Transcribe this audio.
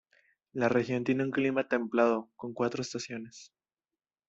La región tiene un clima templado, con cuatro estaciones.